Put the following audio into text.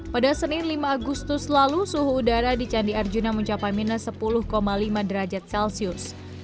pada senin lima agustus lalu suhu udara di candi arjuna mencapai minus sepuluh lima derajat celcius